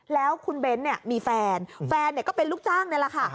แล้วคุณเบ้นมีแฟนแฟนก็เป็นลูกจ้างนี่แหละค่ะ